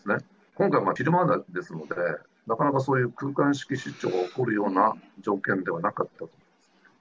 今回は昼間ですので、なかなかそういう空間識失調が起こるような条件ではなかったと思